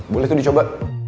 boleh tuh dicoba